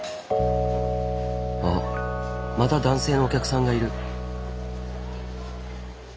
あっまた男性のお客さんがいる。